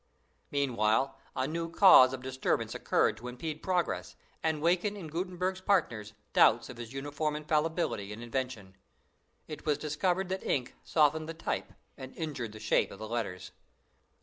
Meanwhile a new cause of disturbance occurred to impede progress, and waken in Gutenberg's partners doubts of his uniform infallibility in invention. It was discovered that ink softened the type, and injured the shape of the letters.